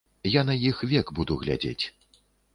Я на іх век буду глядзець.